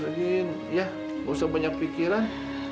bukan dipikirin ya bukan banyak pikiran